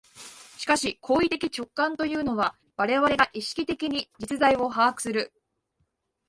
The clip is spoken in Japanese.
しかし行為的直観というのは、我々が意識的に実在を把握する、